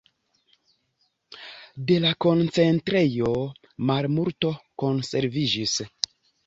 De la koncentrejo malmulto konserviĝis.